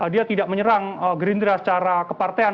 dia tidak menyerang gerindra secara kepartean